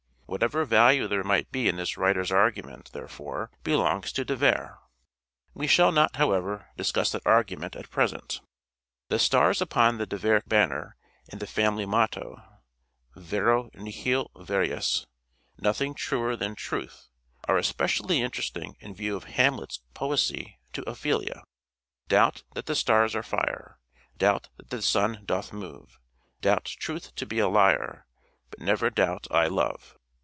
Whatever value there might be in this writer's argument there fore belongs to De Vere. We shall not, however , discuss that argument at present. The stars upon the De Vere banner and the family motto :" Vero nihil verius "— nothing truer than truth — are specially interesting in view of Hamlet's poesy to Ophelia :" Doubt that the stars are fire, Doubt that the sun doth move, Doubt truth to be a liar, But never doubt I love."